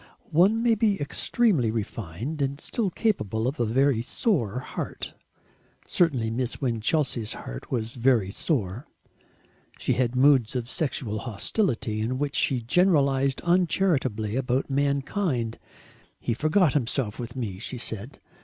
One may be extremely refined and still capable of a very sore heart. Certainly Miss Winchelsea's heart was very sore. She had moods of sexual hostility, in which she generalised uncharitably about mankind. "He forgot himself with me," she said.